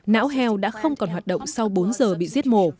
não heo đã không còn hoạt động sau bốn giờ bị giết mổ